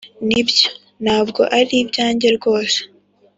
nibyo, ntabwo ari ibyanjye rwose.